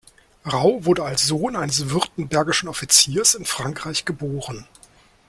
Rau wurde als Sohn eines württembergischen Offiziers in Frankreich geboren.